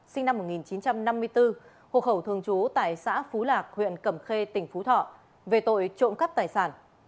sinh năm một nghìn chín trăm năm mươi bốn hộ khẩu thường trú tại xã phú lạc huyện cẩm khê tỉnh phú thọ về tội trộm cắp tài sản